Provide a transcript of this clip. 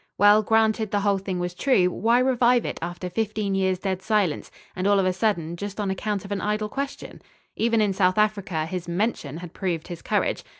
Well granted the whole thing was true why revive it after fifteen years' dead silence, and all of a sudden, just on account of an idle question? Even in South Africa, his "mention" had proved his courage.